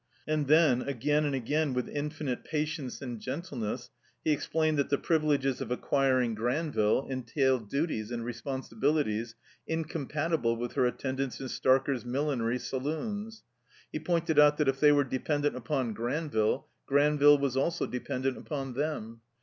And then, again and again, with infinite patience and gentleness, he explained that the privileges of acquiring Granville entailed duties and responsibilities incompatible with her attend ance in Starker's Millinery Saloons. He pointed out that if they were dependent upon Granville, Granville was also dependent upon them.